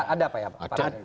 ada apa ya pak